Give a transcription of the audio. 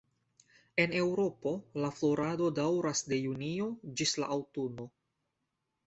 En Eŭropo la florado daŭras de junio ĝis la aŭtuno.